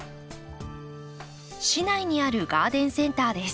市内にあるガーデンセンターです。